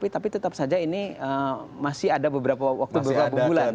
tapi tetap saja ini masih ada beberapa waktu beberapa bulan